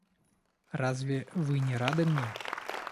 Разве вы не рады мне?